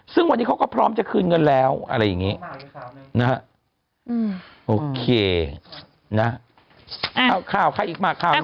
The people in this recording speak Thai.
ซึ่งวันนี้เขาก็พร้อมจะคืนเงินแล้วอะไรอย่างนี้